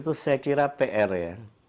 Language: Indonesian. itu saya kira pr ya